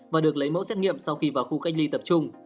và được lấy mẫu xét nghiệm sau khi vào khu cách ly tập trung